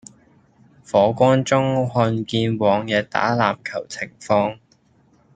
火光中看見往日打籃球情況